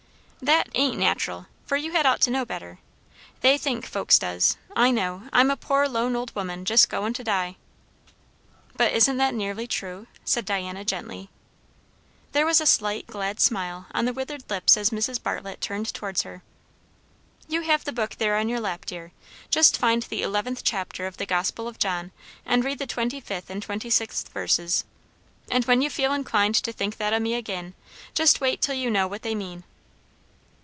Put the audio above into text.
"That ain't nat'ral, for you had ought to know better. They think, folks does, I know, I'm a poor lone old woman, just going to die." "But isn't that nearly true?" said Diana gently. There was a slight glad smile on the withered lips as Mrs. Bartlett turned towards her. "You have the book there on your lap, dear. Just find the eleventh chapter of the Gospel of John, and read the twenty fifth and twenty sixth verses. And when you feel inclined to think that o' me agin, just wait till you know what they mean."